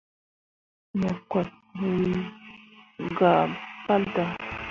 Me koot wi gah pal daŋ.